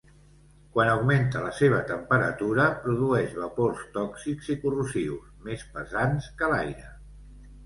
Quan augmenta la seva temperatura produeix vapors tòxics i corrosius, més pesants que l'aire.